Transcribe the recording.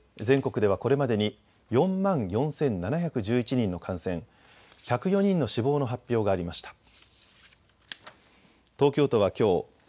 全国ではこれまでに４万４７１１人の感染、１０４人の死亡の発表がありました。